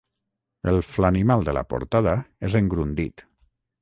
El Flanimal de la portada és en Grundit.